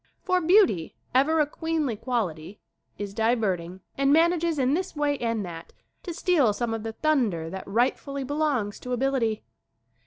For beauty, ever a queenly quality, is diverting and manages in this way and that to steal some of the thunder that rightfully belongs to ability.